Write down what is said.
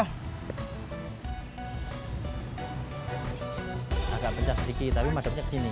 agak pencet sedikit tapi madunya di sini